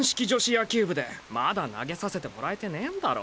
野球部でまだ投げさせてもらえてねえんだろ？